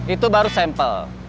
itu baru sampel